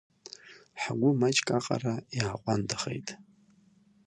Ҳгәы маҷк аҟара иааҟәандахеит.